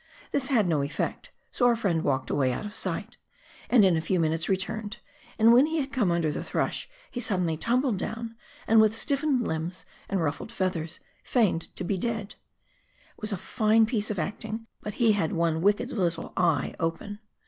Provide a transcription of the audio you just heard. This had no effect, so our friend walked away out of sight, and in a few minutes re turned, and when he had come under the thrush, he suddenly tumbled down, and with stiffened limbs and ruffled feathers feigned to be dead. It was a fine piece of acting, but he had one wicked little eye open.